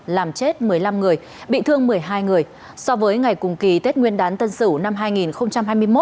làm chết một mươi năm người bị thương một mươi hai người so với ngày cùng kỳ tết nguyên đán tân sửu năm hai nghìn hai mươi một